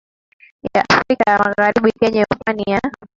ya Afrika ya Magharibi kwenye pwani ya